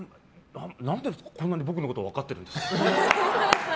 何でこんなに僕のこと分かってるんですか？